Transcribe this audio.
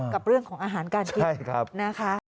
กับเรื่องของอาหารการกินนะคะ